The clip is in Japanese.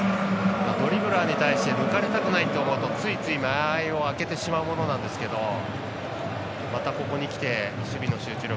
ドリブラーに対して抜かれたくないと思うとついつい間合いをあけてしまうものなんですけどまた、ここにきて守備の集中力。